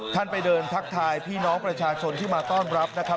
ไปเดินทักทายพี่น้องประชาชนที่มาต้อนรับนะครับ